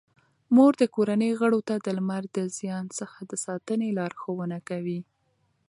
مور د کورنۍ غړو ته د لمر د زیان څخه د ساتنې لارښوونه کوي.